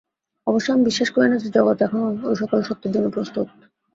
অবশ্য আমি বিশ্বাস করি না যে, জগৎ এখনও ঐ-সকল সত্যের জন্য প্রস্তুত।